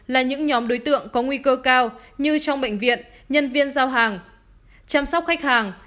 là những nhóm đối tượng có nguy cơ cao như trong bệnh viện nhân viên giao hàng chăm sóc khách hàng